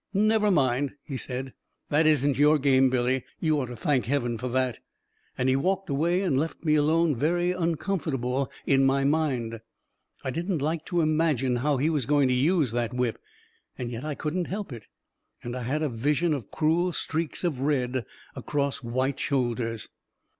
"" Never mind," he said. " This isn't your game, Billy — you ought to thank heaven for that !" and he walked away and left me alone, very uncomfort able in my mind. I didn't like to imagine how he was going to use that whip — and yet I couldn't help it — and I had a vision of cruel streaks of red across white shoulders